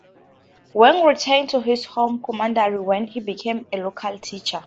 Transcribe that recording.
Wang returned to his home commandery where he became a local teacher.